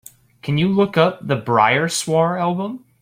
Can you look up the Bireswar album?